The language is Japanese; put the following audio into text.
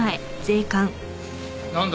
なんだ？